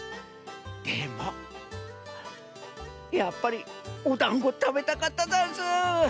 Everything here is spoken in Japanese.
でもやっぱりおだんごたべたかったざんす。